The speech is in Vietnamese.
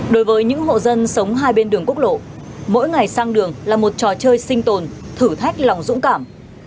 đối với những hộ dân sống hai bên đường quốc lộ mỗi ngày sang đường là một trò chơi sinh tồn thử thách lòng dũng cảm